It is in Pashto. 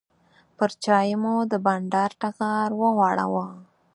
پر چایو مو د بانډار ټغر وغوړاوه.